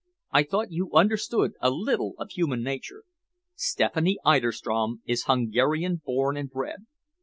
"I thought you understood a little of human nature. Stephanie Eiderstrom is Hungarian born and bred.